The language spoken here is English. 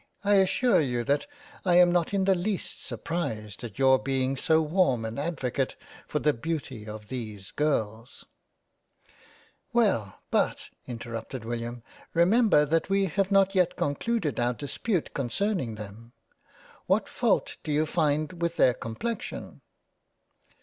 I assure you that I am not in the least surprised at your being so warm an advo cate for the Beauty of these girls "" Well, but (interrupted William) remember that we have not yet concluded our dispute concerning them. What fault do you find with their complexion